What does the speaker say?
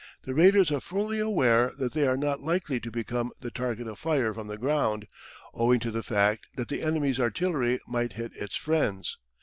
The raiders are fully aware that they are not likely to become the target of fire from the ground, owing to the fact that the enemy's artillery might hit its friends.